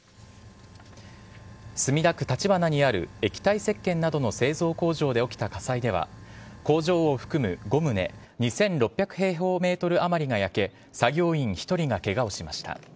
墨田区立花にある液体せっけんなどの製造工場で起きた火災では工場を含む５棟２６００平方ｍあまりが焼け作業員１人がケガをしました。